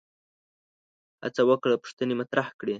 هڅه وکړه پوښتنې مطرح کړي